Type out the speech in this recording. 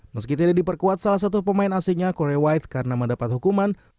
meski tidak diperkuat salah satu pemain asingnya korea white karena mendapat hukuman